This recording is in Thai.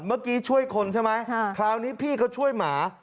เมื่อกี้ช่วยคนใช่ไหมคราวนี้พี่เขาช่วยหมา